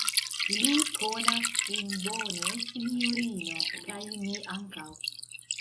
Li konas ĝin bone, sinjorino, kaj mi ankaŭ.